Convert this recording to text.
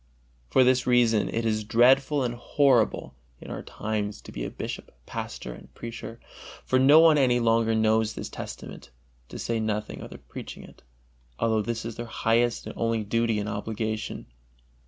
For this reason it is dreadful and horrible in our times to be a bishop, pastor and preacher; for no one any longer knows this testament, to say nothing of their preaching it, although this is their highest and only duty and obligation.